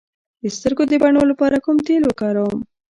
د سترګو د بڼو لپاره کوم تېل وکاروم؟